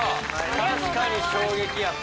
確かに衝撃やった。